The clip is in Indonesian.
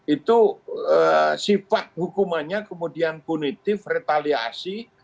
itu sifat hukumannya kemudian punitif retaliasi